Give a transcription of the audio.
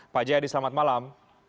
pak jaya edihanan selamat malam